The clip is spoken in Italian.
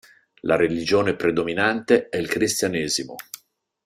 La religione predominante è il Cristianesimo.